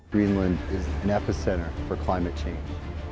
greenland adalah pusat yang menempatkan perubahan iklim